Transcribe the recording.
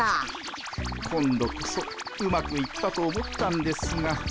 今度こそうまくいったと思ったんですが。